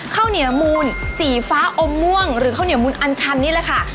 ข้าวเหนียวมูลสีฟ้าอมม่วงหรือข้าวเหนียวมูลอันชันนี่แหละค่ะ